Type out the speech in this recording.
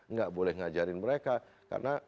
nggak boleh ngajarin mereka karena